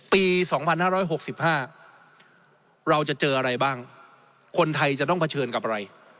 ปี๒๕๖๕เราจะเจออะไรบ้างคนไทยจะต้องเผชิญกับอะไร